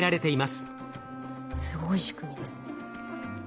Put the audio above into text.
すごい仕組みですね。